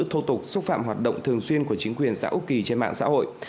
thô tục xúc phạm hoạt động thường xuyên của chính quyền xã úc kỳ trên mạng xã hội